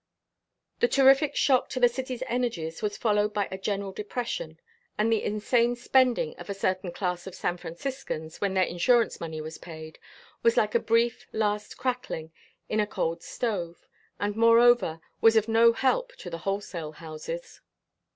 The terrific shock to the city's energies was followed by a general depression, and the insane spending of a certain class of San Franciscans when their insurance money was paid, was like a brief last crackling in a cold stove, and, moreover, was of no help to the wholesale houses.